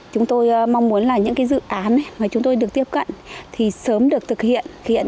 chúng tôi mong muốn là những dự án mà chúng tôi được tiếp cận thì sớm được thực hiện